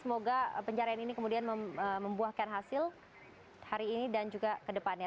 semoga pencarian ini kemudian membuahkan hasil hari ini dan juga ke depannya